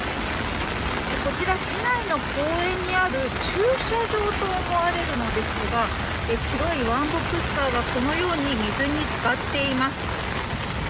こちら、市内の公園にある駐車場と思われるのですが白いワンボックスカーがこのように水に浸かっています。